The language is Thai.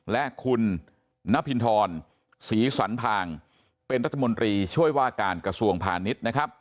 และคุณนพิณธรษติ์ศรีสันภางเป็นรัฐมนตรีช่วยว่าการกระทรวงผ่านิต